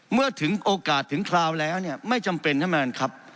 เมื่อโอกาสถึงคราวแล้วไม่จำเป็นครับครับ